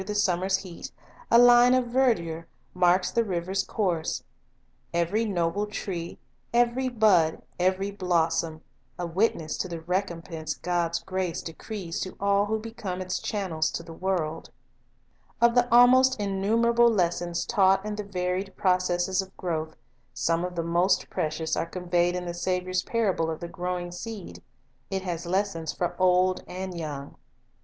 The Law of Ministry Gaining by Giving 104 Nature Teaching summer's heat, a line of verdure marks the river's course; every noble tree, every bud, every blossom, a witness to the recompense God's grace decrees to all' who become its channels to the world. Of the almost innumerable lessons taught in the T.aws nf varied processes of growth, some of the most precious Growth .,_.. are conveyed in the Saviour s parable of the growing seed. It has lessons for old and young.